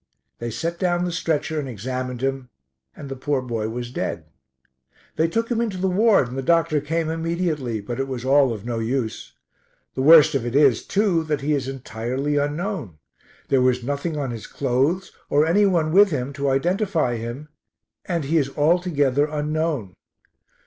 They set down the stretcher and examined him, and the poor boy was dead. They took him into the ward, and the doctor came immediately, but it was all of no use. The worst of it is, too, that he is entirely unknown there was nothing on his clothes, or any one with him to identity him, and he is altogether unknown.